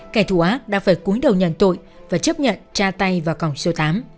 kẻ thù ác đã phải cuối đầu nhận tội và chấp nhận tra tay vào cổng số tám